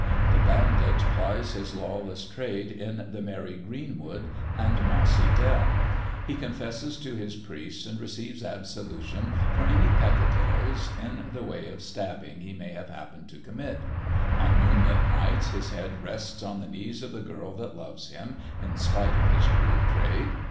The bandit plies his lawless trade in the merry green wood and mossy dell; he confesses to his priest, and receives absolution for any peccadilloes in the way of stabbing he may have happened to commit; on moonlit nights his head rests on the knees of the girl that loves him, in spite of his cruel trade.